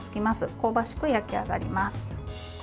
香ばしく焼き上がります。